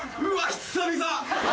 久々！